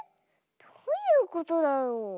どういうことだろう？